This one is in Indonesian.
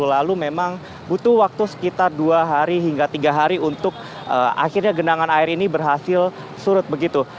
lalu memang butuh waktu sekitar dua hari hingga tiga hari untuk akhirnya genangan air ini berhasil surut begitu